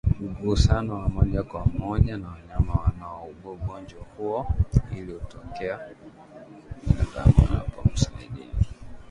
mgusano wa moja kwa moja na wanyama wanaougua ugonjwa huo Hili hutokea binadamu anapomsaidia